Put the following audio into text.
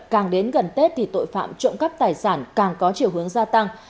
càng đến gần tết thì tội phạm trộm cắp tài sản càng có chiều hướng gia tăng